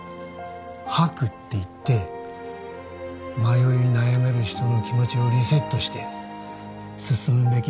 白っていって迷い悩める人の気持ちをリセットして進むべき方角に導いてくれる